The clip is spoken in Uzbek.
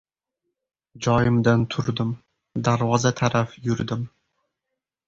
Joyimdan turdim. Darvoza taraf yurdim.